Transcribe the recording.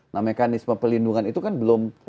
nah mekanisme pelindungan itu kan belum